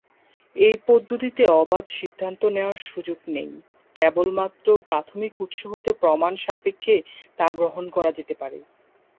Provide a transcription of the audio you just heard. এই পদ্ধতিতে অবাধ সিদ্ধান্ত নেওয়ার সুযোগ নেই, কেবল মাত্র প্রাথমিক উৎস হতে প্রমাণ সাপেক্ষে তা গ্রহণ করা যেতে পারে।